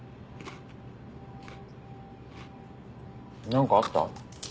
何かあった？